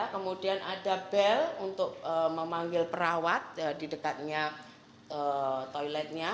kemudian ada bel untuk memanggil perawat di dekatnya toiletnya